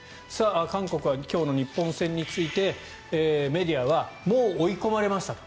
韓国は今日の日本戦についてメディアはもう追い込まれましたと。